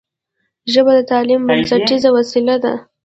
ژبه د تعلیم بنسټیزه وسیله ده